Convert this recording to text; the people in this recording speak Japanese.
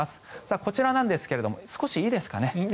こちらなんですが少しいいですかね？